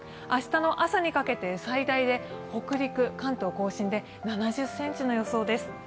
明日の朝にかけて最大で北陸、関東甲信で７０ｃｍの予想です。